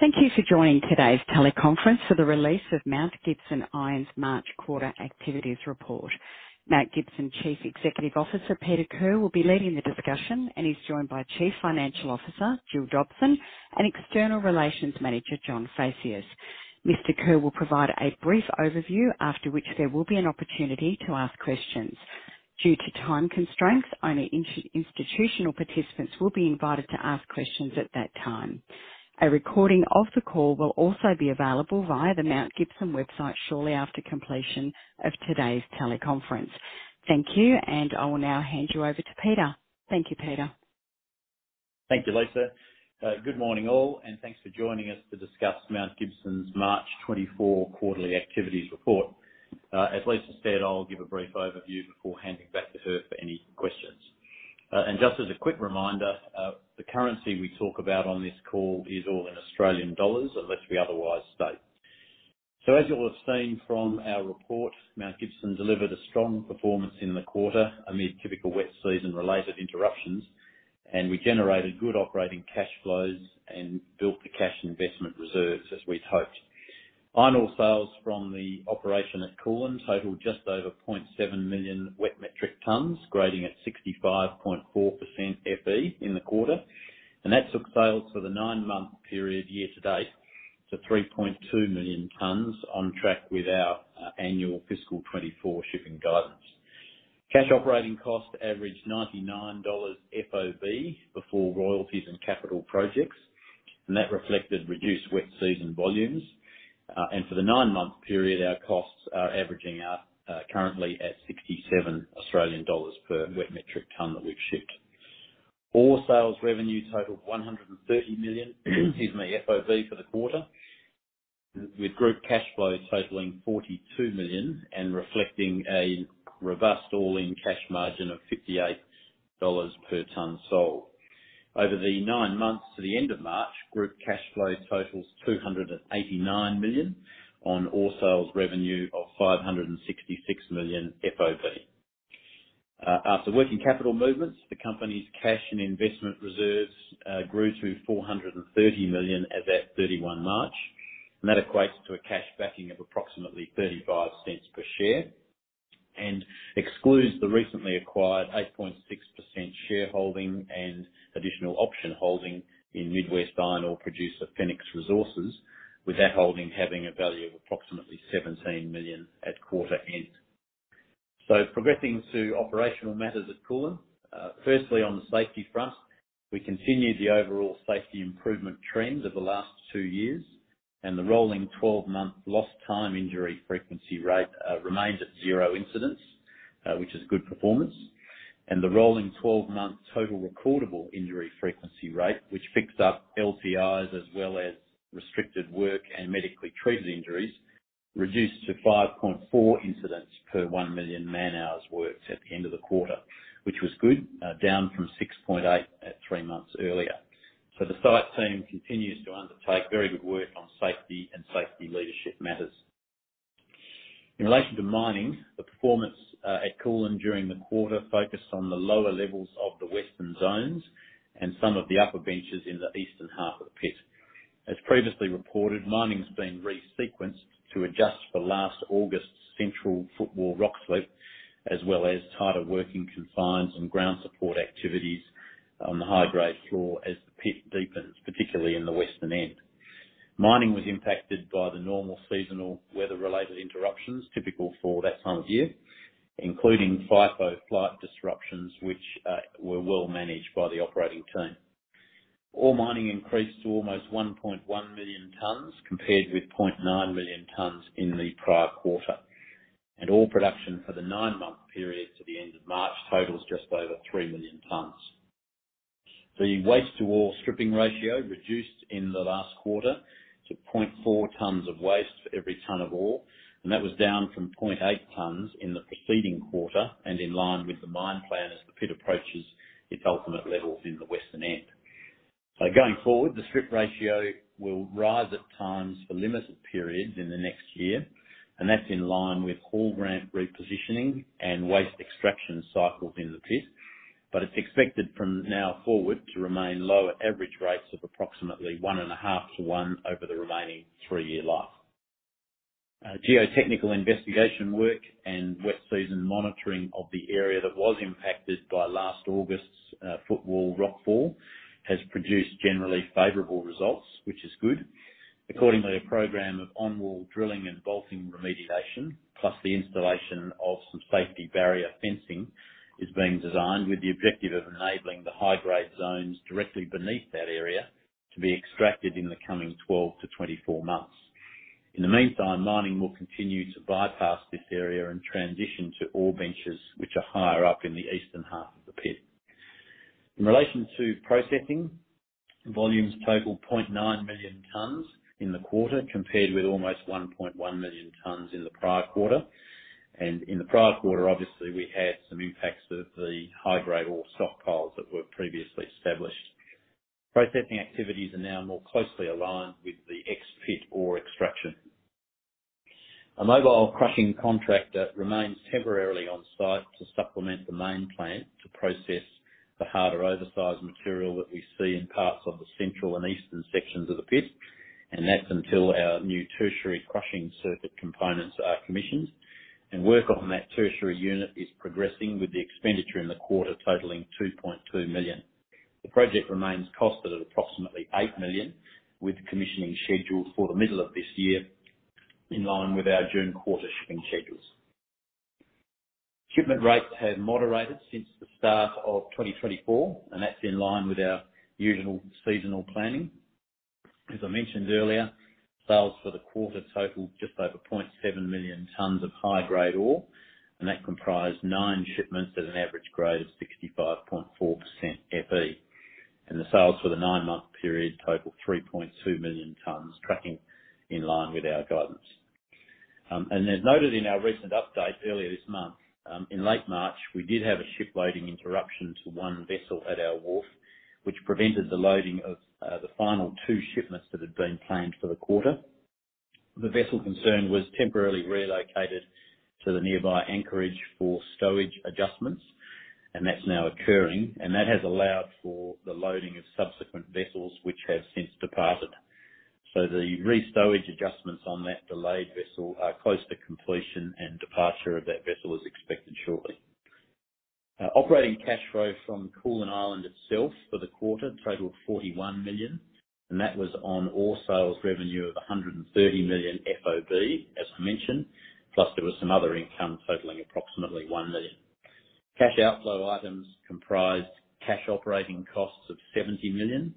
Thank you for joining today's teleconference for the release of Mount Gibson Iron's March quarter activities report. Mount Gibson Chief Executive Officer Peter Kerr will be leading the discussion and is joined by Chief Financial Officer Gillian Dobson and External Relations Manager John Phaceas. Mr. Kerr will provide a brief overview after which there will be an opportunity to ask questions. Due to time constraints, only institutional participants will be invited to ask questions at that time. A recording of the call will also be available via the Mount Gibson website shortly after completion of today's teleconference. Thank you, and I will now hand you over to Peter. Thank you, Peter. Thank you, Lisa. Good morning all, and thanks for joining us to discuss Mount Gibson's March 2024 quarterly activities report. As Lisa said, I'll give a brief overview before handing back to her for any questions. Just as a quick reminder, the currency we talk about on this call is all in Australian dollars unless we otherwise state. As you'll have seen from our report, Mount Gibson delivered a strong performance in the quarter amid typical wet season-related interruptions, and we generated good operating cash flows and built the cash investment reserves as we'd hoped. Iron ore sales from the operation at Koolan totaled just over 0.7 million wet metric tonnes, grading at 65.4% Fe in the quarter, and that took sales for the nine-month period year to date to 3.2 million tonnes on track with our annual fiscal 2024 shipping guidance. Cash operating costs averaged 99 dollars FOB before royalties and capital projects, and that reflected reduced wet season volumes. For the nine-month period, our costs are averaging out currently at 67 Australian dollars per wet metric tonne that we've shipped. Our sales revenue totaled 130 million FOB for the quarter, with group cash flow totaling 42 million and reflecting a robust all-in cash margin of 58 dollars per tonne sold. Over the nine months to the end of March, group cash flow totals AUD 289 million on ore sales revenue of AUD 566 million FOB. After working capital movements, the company's cash and investment reserves grew to 430 million as of 31 March, and that equates to a cash backing of approximately 0.35 per share and excludes the recently acquired 8.6% shareholding and additional option holding in Midwest iron ore producer Fenix Resources, with that holding having a value of approximately 17 million at quarter end. So progressing to operational matters at Koolan, firstly, on the safety front, we continued the overall safety improvement trend of the last two years, and the rolling 12-month lost time injury frequency rate remained at zero incidents, which is good performance. And the rolling 12-month total recordable injury frequency rate, which fixed up LTIs as well as restricted work and medically treated injuries, reduced to 5.4 incidents per 1 million man-hours worked at the end of the quarter, which was good, down from 6.8 at three months earlier. So the site team continues to undertake very good work on safety and safety leadership matters. In relation to mining, the performance at Koolan during the quarter focused on the lower levels of the western zones and some of the upper benches in the eastern half of the pit. As previously reported, mining's been resequenced to adjust for last August's central footwall rockslip as well as tighter working confines and ground support activities on the high-grade floor as the pit deepens, particularly in the western end. Mining was impacted by the normal seasonal weather-related interruptions typical for that time of year, including FIFO flight disruptions, which were well managed by the operating team. Ore mining increased to almost 1.1 million tonnes compared with 0.9 million tonnes in the prior quarter, and ore production for the nine-month period to the end of March totals just over 3 million tonnes. The waste-to-ore stripping ratio reduced in the last quarter to 0.4 tonnes of waste for every tonne of ore, and that was down from 0.8 tonnes in the preceding quarter and in line with the mine plan as the pit approaches its ultimate levels in the western end. Going forward, the strip ratio will rise at times for limited periods in the next year, and that's in line with haul ramp repositioning and waste extraction cycles in the pit, but it's expected from now forward to remain low at average rates of approximately 1.5 to 1 over the remaining three-year life. Geotechnical investigation work and wet season monitoring of the area that was impacted by last August's footwall rockfall has produced generally favorable results, which is good. Accordingly, a program of on-wall drilling and bolting remediation, plus the installation of some safety barrier fencing, is being designed with the objective of enabling the high-grade zones directly beneath that area to be extracted in the coming 12-24 months. In the meantime, mining will continue to bypass this area and transition to ore benches, which are higher up in the eastern half of the pit. In relation to processing, volumes total 0.9 million tonnes in the quarter compared with almost 1.1 million tonnes in the prior quarter. In the prior quarter, obviously, we had some impacts of the high-grade ore stockpiles that were previously established. Processing activities are now more closely aligned with the ex-pit ore extraction. A mobile crushing contractor remains temporarily on site to supplement the main plant to process the harder oversized material that we see in parts of the central and eastern sections of the pit, and that's until our new tertiary crushing circuit components are commissioned. Work on that tertiary unit is progressing with the expenditure in the quarter totaling 2.2 million. The project remains costed at approximately 8 million, with commissioning scheduled for the middle of this year in line with our June quarter shipping schedules. Shipment rates have moderated since the start of 2024, and that's in line with our usual seasonal planning. As I mentioned earlier, sales for the quarter totaled just over 0.7 million tonnes of high-grade ore, and that comprised nine shipments at an average grade of 65.4% Fe. The sales for the nine-month period totaled 3.2 million tonnes, tracking in line with our guidance. As noted in our recent update earlier this month, in late March, we did have a ship loading interruption to one vessel at our wharf, which prevented the loading of the final two shipments that had been planned for the quarter. The vessel concerned was temporarily relocated to the nearby anchorage for stowage adjustments, and that's now occurring. That has allowed for the loading of subsequent vessels, which have since departed. The restowage adjustments on that delayed vessel are close to completion, and departure of that vessel is expected shortly. Operating cash flow from Koolan Island itself for the quarter totaled 41 million, and that was on ore sales revenue of 130 million FOB, as I mentioned, plus there was some other income totaling approximately 1 million. Cash outflow items comprised cash operating costs of 70 million,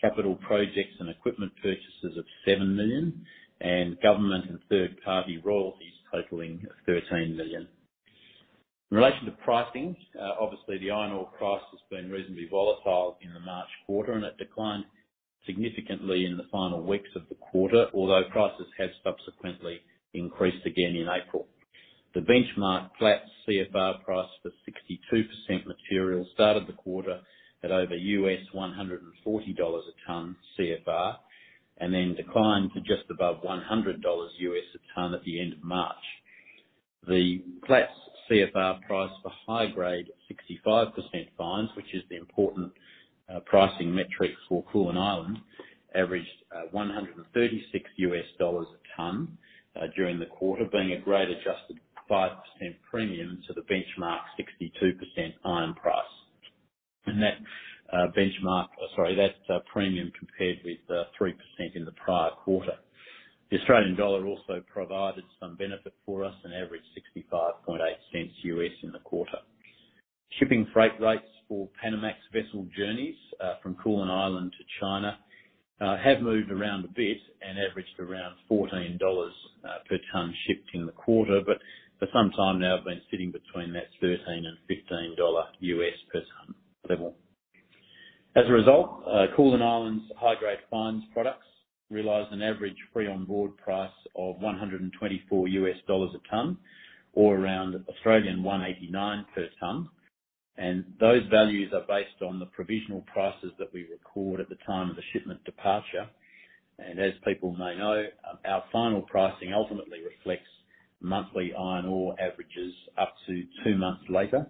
capital projects and equipment purchases of 7 million, and government and third-party royalties totaling 13 million. In relation to pricing, obviously, the iron ore price has been reasonably volatile in the March quarter, and it declined significantly in the final weeks of the quarter, although prices have subsequently increased again in April. The benchmark Platts CFR price for 62% material started the quarter at over $140 a tonne CFR and then declined to just above $100 a tonne at the end of March. The Platts CFR price for high-grade 65% fines, which is the important pricing metric for Koolan Island, averaged $136 a tonne during the quarter, being a grade-adjusted 5% premium to the benchmark 62% iron price. And that benchmark, sorry, that premium compared with 3% in the prior quarter. The Australian dollar also provided some benefit for us and averaged $0.658 in the quarter. Shipping freight rates for Panamax vessel journeys from Koolan Island to China have moved around a bit and averaged around $14 per tonne shipped in the quarter, but for some time now, they've been sitting between $13-$15 per tonne level. As a result, Koolan Island's high-grade fines products realize an average free-on-board price of $124 a tonne, or around 189 per tonne. Those values are based on the provisional prices that we record at the time of the shipment departure. As people may know, our final pricing ultimately reflects monthly iron ore averages up to two months later.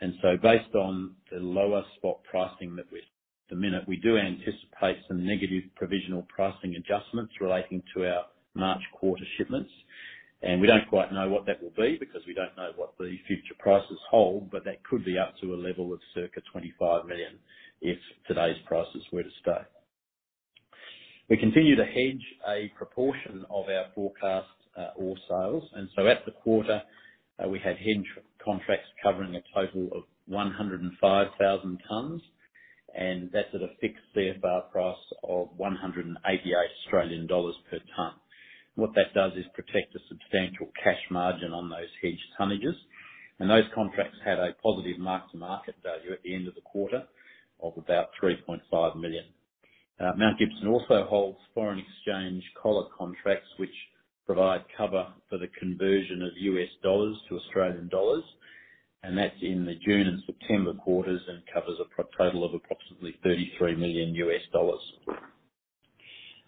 Based on the lower spot pricing that we're at the minute, we do anticipate some negative provisional pricing adjustments relating to our March quarter shipments. We don't quite know what that will be because we don't know what the future prices hold, but that could be up to a level of circa 25 million if today's prices were to stay. We continue to hedge a proportion of our forecast ore sales. At the quarter, we had hedge contracts covering a total of 105,000 tonnes, and that's at a fixed CFR price of 188 Australian dollars per tonne. What that does is protect a substantial cash margin on those hedged tonnages. Those contracts had a positive mark-to-market value at the end of the quarter of about 3.5 million. Mount Gibson also holds foreign exchange collar contracts, which provide cover for the conversion of U.S. dollars to Australian dollars. That's in the June and September quarters and covers a total of approximately $33 million.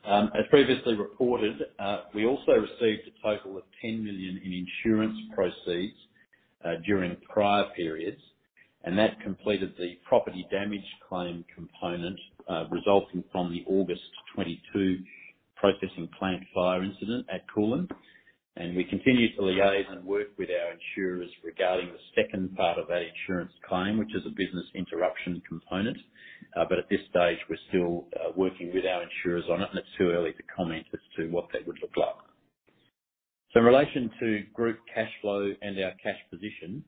As previously reported, we also received a total of 10 million in insurance proceeds during prior periods, and that completed the property damage claim component resulting from the August 2022 processing plant fire incident at Koolan. We continue to liaise and work with our insurers regarding the second part of that insurance claim, which is a business interruption component. At this stage, we're still working with our insurers on it, and it's too early to comment as to what that would look like. So in relation to group cash flow and our cash position,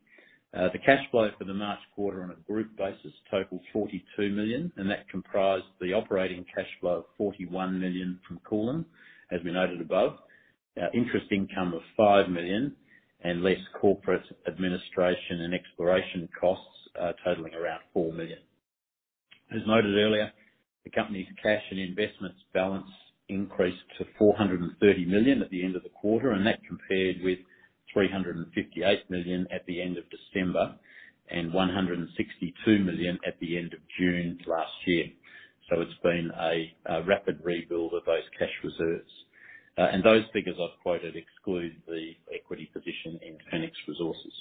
the cash flow for the March quarter on a group basis totaled 42 million, and that comprised the operating cash flow of 41 million from Koolan, as we noted above, interest income of 5 million, and less corporate administration and exploration costs totaling around 4 million. As noted earlier, the company's cash and investments balance increased to 430 million at the end of the quarter, and that compared with 358 million at the end of December and 162 million at the end of June last year. So it's been a rapid rebuild of those cash reserves. And those figures I've quoted exclude the equity position in Fenix Resources.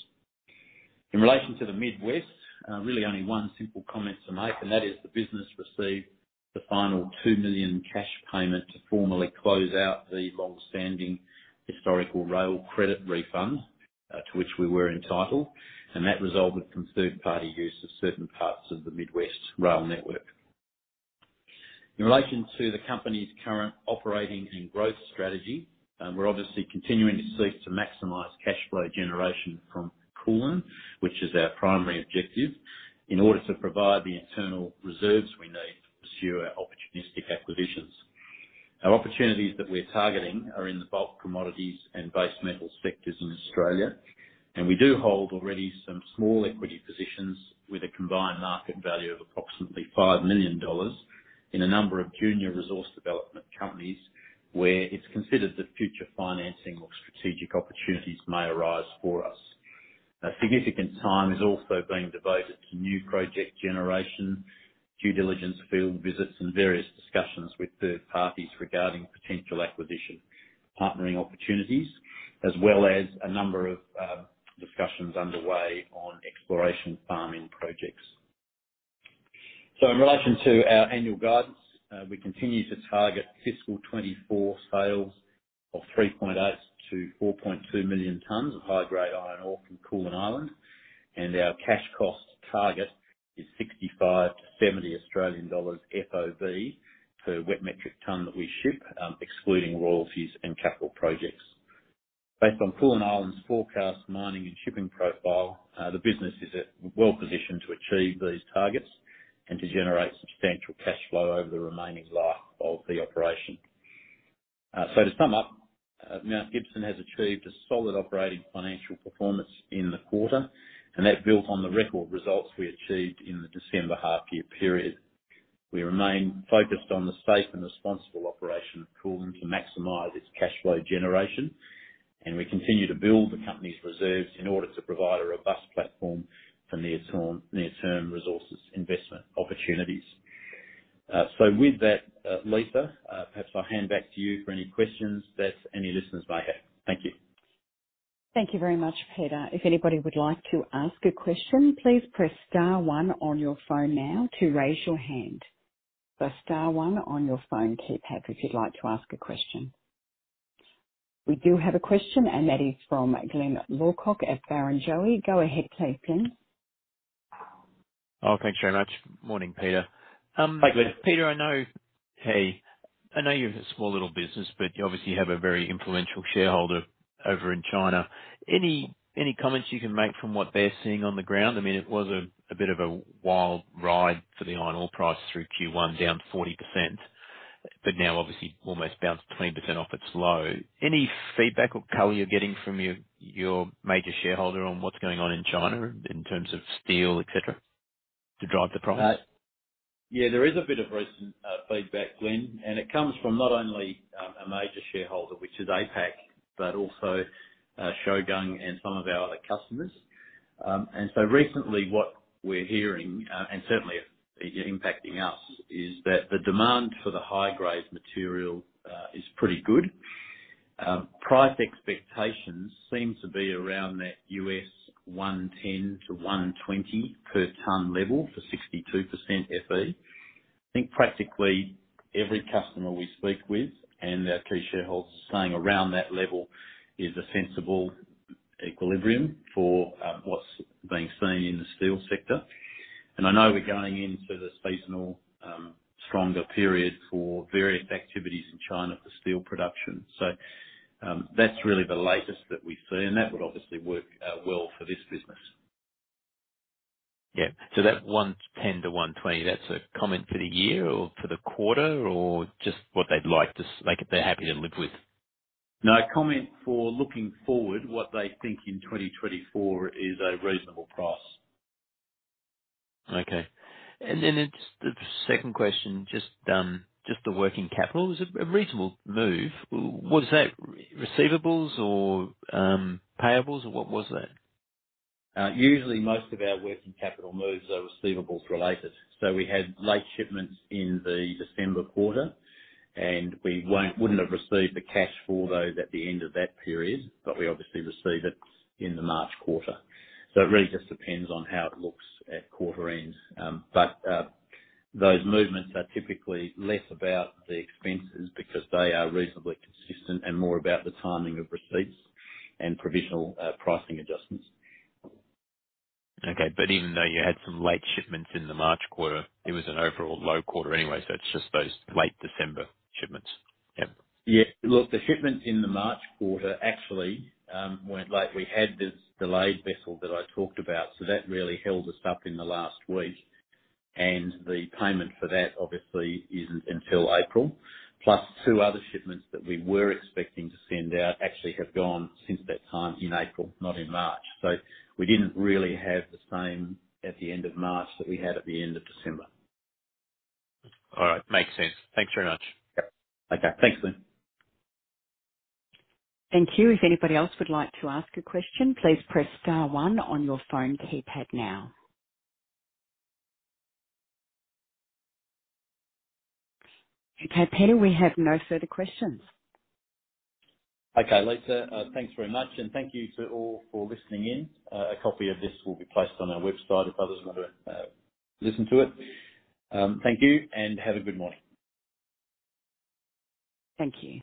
In relation to the Midwest, really only one simple comment to make, and that is the business received the final 2 million cash payment to formally close out the longstanding historical rail credit refund to which we were entitled, and that resulted from third-party use of certain parts of the Midwest rail network. In relation to the company's current operating and growth strategy, we're obviously continuing to seek to maximize cash flow generation from Koolan, which is our primary objective, in order to provide the internal reserves we need to pursue our opportunistic acquisitions. Our opportunities that we're targeting are in the bulk commodities and base metal sectors in Australia, and we do hold already some small equity positions with a combined market value of approximately 5 million dollars in a number of junior resource development companies where it's considered that future financing or strategic opportunities may arise for us. Significant time is also being devoted to new project generation, due diligence field visits, and various discussions with third parties regarding potential acquisition partnering opportunities, as well as a number of discussions underway on exploration farming projects. So in relation to our annual guidance, we continue to target fiscal 2024 sales of 3.8-4.2 million tonnes of high-grade iron ore from Koolan Island, and our cash cost target is 65-70 Australian dollars FOB per wet metric tonne that we ship, excluding royalties and capital projects. Based on Koolan Island's forecast mining and shipping profile, the business is well positioned to achieve these targets and to generate substantial cash flow over the remaining life of the operation. So to sum up, Mount Gibson Iron has achieved a solid operating financial performance in the quarter, and that built on the record results we achieved in the December half-year period. We remain focused on the safe and responsible operation of Koolan to maximize its cash flow generation, and we continue to build the company's reserves in order to provide a robust platform for near-term resources investment opportunities. So with that, Lisa, perhaps I'll hand back to you for any questions that any listeners may have. Thank you. Thank you very much, Peter. If anybody would like to ask a question, please press star 1 on your phone now to raise your hand. So star 1 on your phone keypad if you'd like to ask a question. We do have a question, and that is from Glyn Lawcock at Barrenjoey. Go ahead, please, Glyn. Oh, thanks very much. Morning, Peter. Hi, Glyn. Peter, I know, hey, I know you're a small little business, but you obviously have a very influential shareholder over in China. Any comments you can make from what they're seeing on the ground? I mean, it was a bit of a wild ride for the iron ore price through Q1, down 40%, but now obviously almost bounced 20% off its low. Any feedback or color you're getting from your major shareholder on what's going on in China in terms of steel, etc., to drive the price? Yeah, there is a bit of recent feedback, Glyn, and it comes from not only a major shareholder, which is APAC, but also Shougang and some of our other customers. So recently, what we're hearing, and certainly impacting us, is that the demand for the high-grade material is pretty good. Price expectations seem to be around that $110-$120 per tonne level for 62% Fe. I think practically every customer we speak with and our key shareholders are saying around that level is a sensible equilibrium for what's being seen in the steel sector. And I know we're going into the seasonal stronger period for various activities in China for steel production. So that's really the latest that we see, and that would obviously work well for this business. Yeah. So that 110-120, that's a comment for the year or for the quarter or just what they'd like to they're happy to live with? No comment on looking forward, what they think in 2024 is a reasonable price. Okay. And then just the second question, just the working capital was a reasonable move. What was that, receivables or payables, or what was that? Usually, most of our working capital moves are receivables related. So we had late shipments in the December quarter, and we wouldn't have received the cash for those at the end of that period, but we obviously received it in the March quarter. So it really just depends on how it looks at quarter end. But those movements are typically less about the expenses because they are reasonably consistent and more about the timing of receipts and provisional pricing adjustments. Okay. But even though you had some late shipments in the March quarter, it was an overall low quarter anyway, so it's just those late December shipments. Yeah. Yeah. Look, the shipments in the March quarter actually weren't late. We had this delayed vessel that I talked about, so that really held us up in the last week. The payment for that, obviously, isn't until April. Plus, two other shipments that we were expecting to send out actually have gone since that time in April, not in March. So we didn't really have the same at the end of March that we had at the end of December. All right. Makes sense. Thanks very much. Yep. Okay. Thanks, Glyn. Thank you. If anybody else would like to ask a question, please press star 1 on your phone keypad now. Okay, Peter, we have no further questions. Okay, Lisa. Thanks very much, and thank you to all for listening in. A copy of this will be placed on our website if others want to listen to it. Thank you, and have a good morning. Thank you.